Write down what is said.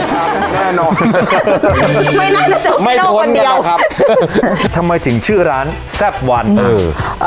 ครับแน่นอนไม่น่าจะเจอพี่โน่คนเดียวไม่ทนกับเราครับทำไมถึงชื่อร้านแซ่บวันอือ